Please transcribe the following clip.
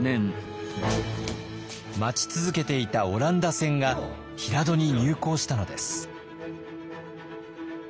待ち続けていたオランダ船が平戸に入港したのです。